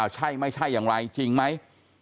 ใช่ไม่ใช่อย่างไรจริงไหม